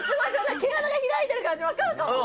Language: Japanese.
毛穴開いてる感じ、分かるかも！